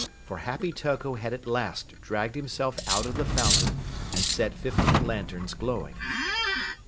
For Happy Toko had at last dragged himself out of the fountain and set fifteen lanterns glowing.